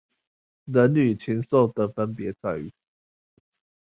人類與禽獸的分別在於